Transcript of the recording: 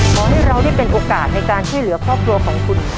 ขอให้เราได้เป็นโอกาสในการช่วยเหลือครอบครัวของคุณ